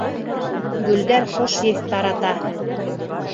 Гөлдәр хуш еҫ тарата